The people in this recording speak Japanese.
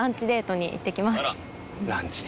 ランチに？